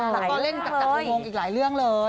แล้วก็เล่นจากจักรบุมงค์อีกหลายเรื่องเลย